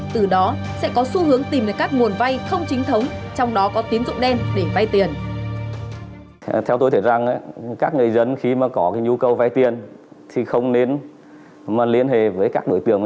từ đó sẽ có xu hướng tìm được các nguồn vay không chính thống